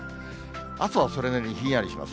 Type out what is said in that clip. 朝はそれなりにひんやりします。